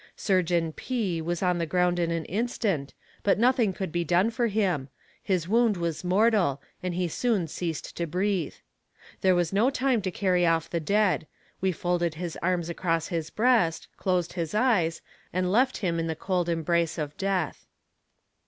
Surgeon P. was on the ground in an instant, but nothing could be done for him; his wound was mortal, and he soon ceased to breathe. There was no time to carry off the dead; we folded his arms across his breast, closed his eyes, and left him in the cold embrace of death.